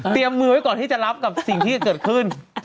มือไว้ก่อนที่จะรับกับสิ่งที่จะเกิดขึ้น